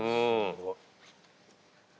すごい。